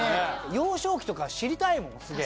幼少期とか知りたいもんすげぇ。